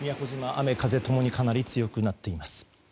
雨風ともにかなり強くなっています。